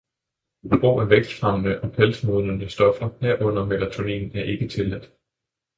Brug af vækstfremmende og pelsmodnende stoffer, herunder melatonin, er ikke tilladt.